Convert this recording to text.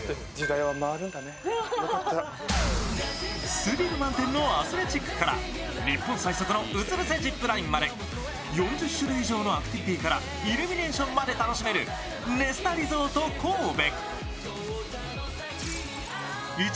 スリル満点のアスレチックから日本最速のうつ伏せジップラインまで４０種類以上のアクティビティーからイルミネーションまで楽しめるネスタリゾート神戸。